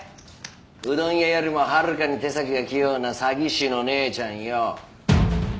うどん屋よりもはるかに手先が器用な詐欺師の姉ちゃんよ。